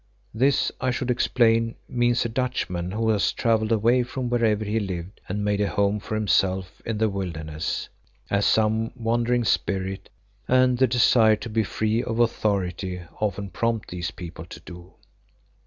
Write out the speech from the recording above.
This, I should explain, means a Dutchman who has travelled away from wherever he lived and made a home for himself in the wilderness, as some wandering spirit and the desire to be free of authority often prompt these people to do.